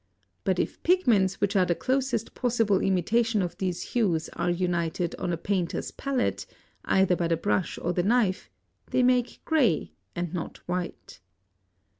But if pigments which are the closest possible imitation of these hues are united on a painter's palette, either by the brush or the knife, they make gray, and not white.